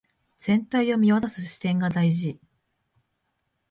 全体を見渡す視点が大事